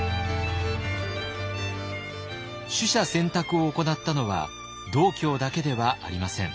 取捨選択を行ったのは道教だけではありません。